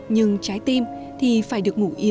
nhưng trái tim thì phải được ngủ yên nơi đất mẹ